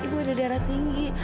ibu ada darah tinggi